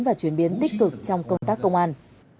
và chuyển biến tích cực trong công tác công an